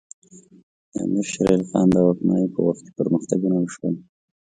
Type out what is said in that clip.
د امیر شیر علی خان د واکمنۍ په وخت کې پرمختګونه وشول.